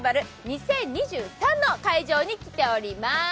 ２０２３の会場に来ております。